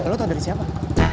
lu tau dari siapa